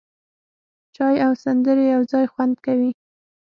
چای او سندرې یو ځای خوند کوي.